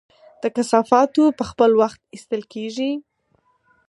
د کثافاتو په خپل وخت ایستل کیږي؟